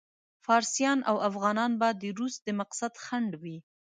فارسیان او افغانان به د روس د مقصد خنډ وي.